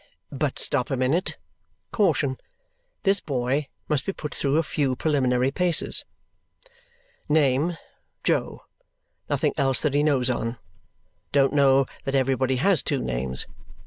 But stop a minute. Caution. This boy must be put through a few preliminary paces. Name, Jo. Nothing else that he knows on. Don't know that everybody has two names.